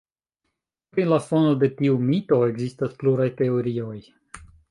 Pri la fono de tiu mito ekzistas pluraj teorioj.